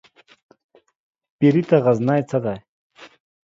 پيري ته غزنى څه دى ؟